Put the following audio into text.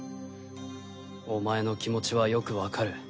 お前の気持ちはよくわかる。